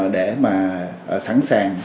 để sẵn sàng